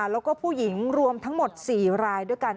แล้วก็ผู้หญิงรวมทั้งหมด๔รายด้วยกัน